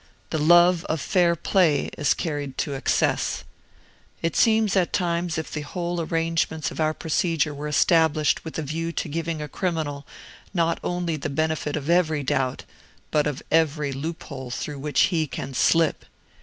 The love of fair play is carried to excess. It seems at times as if the whole arrangements of our procedure were established with a view to giving a criminal not only the benefit of every doubt, but of every loophole through which he can slip.